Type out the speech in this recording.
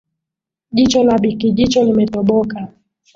Jicho la Bi Kijicho limetoboka